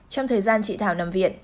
trong thời gian chị thảo nằm viện